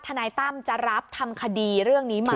นายตั้มจะรับทำคดีเรื่องนี้มา